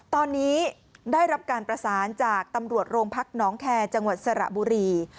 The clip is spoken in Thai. ตอนนี้ได้รับการประสานจากตำรวจโรงพักน้องแคร์จังหวัดสระบุรี